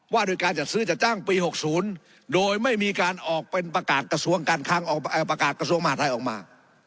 ว่าโดยการจัดซื้อจัดจ้างปี๖๐โดยไม่มีการออกเป็นประกาศกระทรวงมหาทัยออกมา